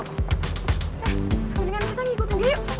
jangan jangan kita ngikutin dia yuk